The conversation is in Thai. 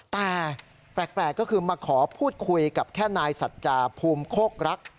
แต่แปลกก็คือมาขอพูดคุยกับแค่นายสัจจาภูมิโคกรัก